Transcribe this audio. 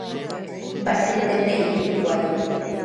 Mba'evete nde'íri hikuái.